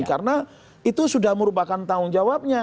karena itu sudah merupakan tanggung jawabnya